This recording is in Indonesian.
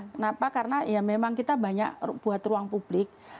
kenapa karena ya memang kita banyak buat ruang publik